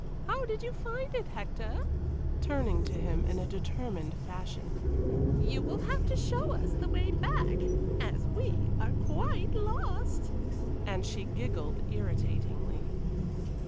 How did you find it, Hector?" turning to him in a determined fashion. "You will have to show us the way back, as we are quite lost!" and she giggled irritatingly.